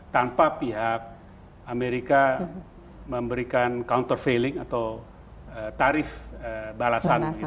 tanpa pihak amerika memberikan countervailing atau tarif balasan